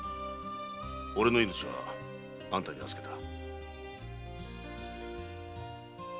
俺の命はあんたに預けた。